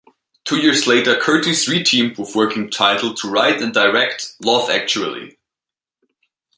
Two years later Curtis re-teamed with Working Title to write and direct "Love Actually".